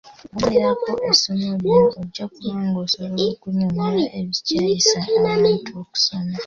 W'onaamalirako essomo lino ojja kuba ng'osobola okunnyonnyola ebikyayisa abantu okusoma.